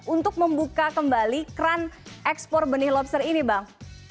untuk membuka kembali keran ekspor benih lobster ini bang